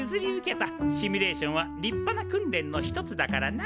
シミュレーションは立派な訓練の一つだからな！